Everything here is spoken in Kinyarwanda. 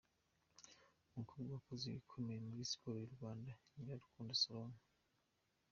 Umukobwa wakoze ibikomeye muri siporo y’u Rwanda: Nyirarukundo Salome.